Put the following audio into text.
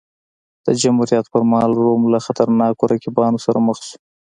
د جمهوریت پرمهال روم له خطرناکو رقیبانو سره مخ شو.